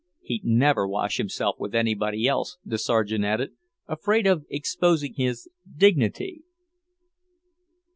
"He'd never wash himself with anybody else," the Sergeant added. "Afraid of exposing his dignity!"